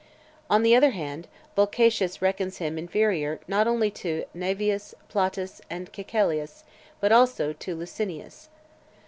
On the other hand, Volcatius reckons him inferior not only (536) to Naevius, Plautus, and Caecilius, but also to Licinius.